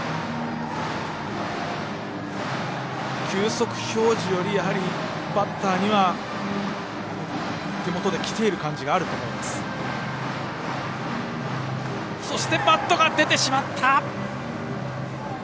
球速表示よりバッターには手元できている感じがあると思います。